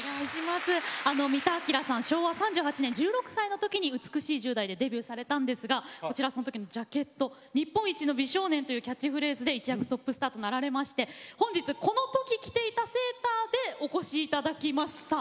昭和３８年１６歳のときに「美しい十代」でデビューされたんですがこちらそのときのジャケット「日本一の美少年」というキャッチフレーズで一躍トップスターとなられまして本日このとき着ていたセーターでお越しいただきました。